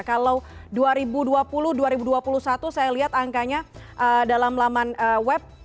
kalau dua ribu dua puluh dua ribu dua puluh satu saya lihat angkanya dalam laman web